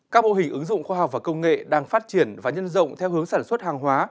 các mô hình ứng dụng khoa học và công nghệ đang phát triển và nhân rộng theo hướng sản xuất hàng hóa